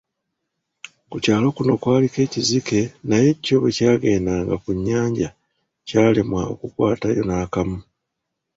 Ku kyalo kuno kwaliko ekizike naye kyo bwekyagenda ku nnyanja kyalemwa okukwatayo n’akamu.